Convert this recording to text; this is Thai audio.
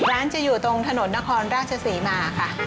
ร้านจะอยู่ตรงถนนนครราชศรีมาค่ะ